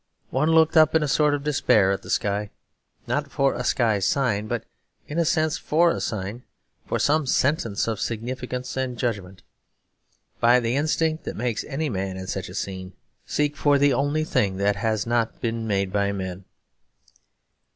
One looked up in a sort of despair at the sky, not for a sky sign but in a sense for a sign, for some sentence of significance and judgment; by the instinct that makes any man in such a scene seek for the only thing that has not been made by men.